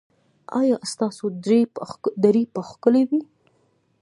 ایا ستاسو درې به ښکلې وي؟